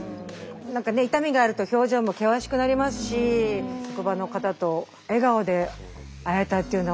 何かね痛みがあると表情も険しくなりますし職場の方と笑顔で会えたっていうのは本当よかったな。